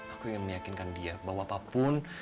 aku ingin meyakinkan dia bahwa apapun